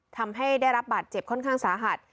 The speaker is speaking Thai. ทำให้ได้รับบาดเจ็บค่อนข้างสาหัส